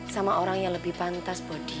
sama orang yang lebih pantas buat dia